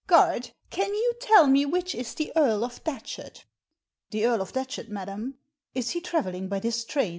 " Guard, can you tell me which is the Earl of Datchet ?"" The Earl of Datchet, madam ? Is he travelling by this train?"